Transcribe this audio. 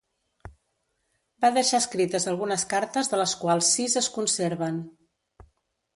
Va deixar escrites algunes cartes de les quals sis es conserven.